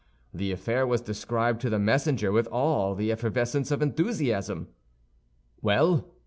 The affair was described to the messenger with all the effervescence of enthusiasm. "Well?"